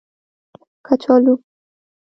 🥔 کچالو